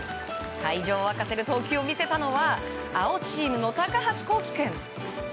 会場を沸かせる投球を見せたのは青チームの高橋昂暉君。